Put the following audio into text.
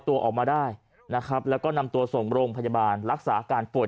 ตัวออกมาได้นะครับแล้วก็นำตัวส่งโรงพยาบาลรักษาอาการป่วย